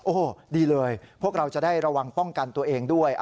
โอ้โหดีเลยพวกเราจะได้ระวังป้องกันตัวเองด้วย